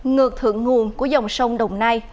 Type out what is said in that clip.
ngược thượng nguồn của dòng sông đồng nai